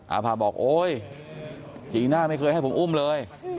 อาภาบอกโอ๊ยจีน่าไม่เคยให้ผมอุ้มเลย